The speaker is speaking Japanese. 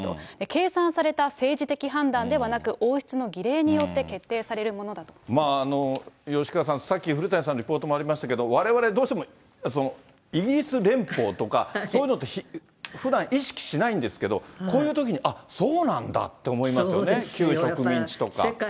計算された政治的判断ではなく、王室の儀礼によって決定されるも吉川さん、さっき古谷さんのリポートもありましたけど、われわれ、どうしてもそのイギリス連邦とか、そういうのってふだん、意識しないんですけど、こういうときに、ああ、そうなんだって思いますよね。